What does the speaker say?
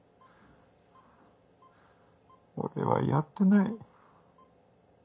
俺はやってない。